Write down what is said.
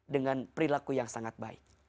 dengan perilaku yang sangat baik